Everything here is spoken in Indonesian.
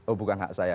oh bukan hak saya